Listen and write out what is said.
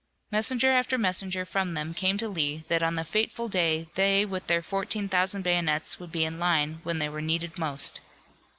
Messenger after messenger from them came to Lee that on the fateful day they with their fourteen thousand bayonets would be in line when they were needed most.